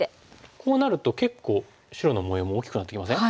こうなると結構白の模様も大きくなってきません？